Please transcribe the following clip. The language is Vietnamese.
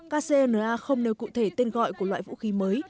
kcna không nêu cụ thể tên gọi của loại vũ khí mới